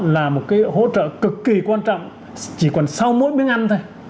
là một cái hỗ trợ cực kỳ quan trọng chỉ còn sau mỗi miếng ăn thôi